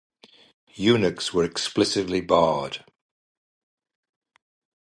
Eunuchs were explicitly barred.